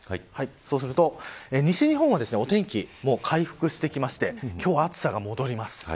そうすると西日本はお天気回復してきまして今日、暑さが戻ります。